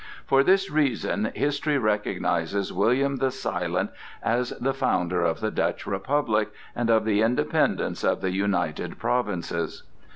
For this reason history recognizes William the Silent as the founder of the Dutch Republic and of the independence of the United Provinces.